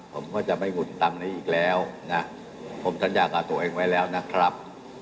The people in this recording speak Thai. ผมก็จะไม่หุ่นตังค์นี้อีกแล้วนะผมสัญญากับตัวเองไว้แล้วนะครับ